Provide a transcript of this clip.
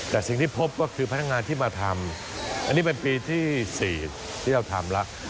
แต่สิ่งที่พบก็คือพนักงานที่มาทำอันนี้เป็นปีที่๔ที่เราทำแล้ว